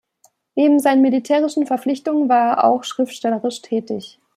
Neben seinen militärischen Verpflichtungen war er auch schriftstellerisch tätig.